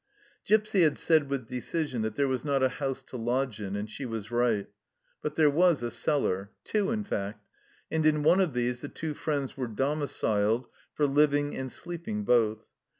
Gipsy had said with decision that there was not a house to lodge in, and she was right ; but there was a cellar two, in fact and in one of these the two friends were domiciled for living and sleeping both.